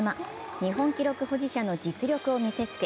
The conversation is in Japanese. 日本記録保持者の実力を見せつけ